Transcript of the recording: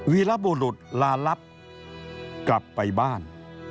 วีรบุรุษลาลับกลับไปบ้าน